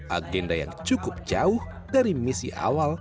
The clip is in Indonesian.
agenda yang cukup jauh dari misi awal